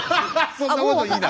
そんなこと言いな。